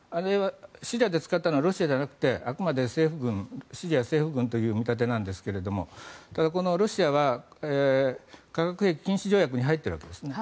シリアで使ったのはロシアではなくてあくまでもシリア政府軍という見立てなんですがただ、ロシアは化学兵器禁止条約に入っているわけですね。